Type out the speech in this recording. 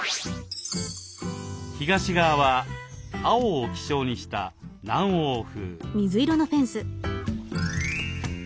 東側は青を基調にした南欧風。